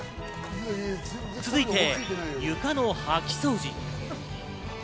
続いて床の掃き掃除。